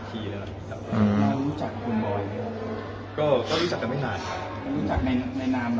ก็มีการนัดหมายนะครับว่าให้มาให้รายละเอียดนะครับ